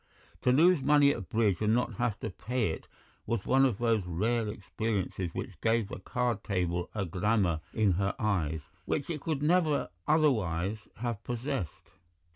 To lose money at bridge and not to have to pay it was one of those rare experiences which gave the card table a glamour in her eyes which it could never otherwise have possessed.